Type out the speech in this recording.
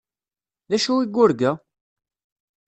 D acu i yurga?